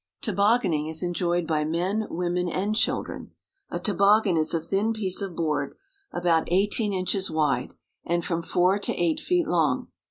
Tobogganing is enjoyed by men, women, and children. A toboggan is a thin piece of board about eighteen inches wide and from four to eight feet long.